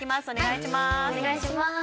お願いします。